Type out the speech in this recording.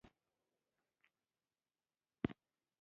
تکبر ستونزي پیدا کوي او تاسي له هر چا څخه ليري کوي.